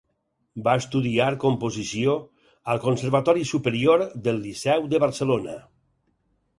Va estudiar composició al Conservatori Superior del Liceu de Barcelona.